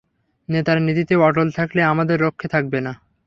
নেতার নীতিতে অটল থাকলে, আমাদের রক্ষে থাকবে না।